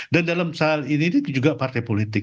dan dalam saat ini juga partai politik